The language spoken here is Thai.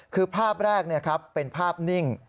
คือภาพแรกเป็นภาพนิ่ง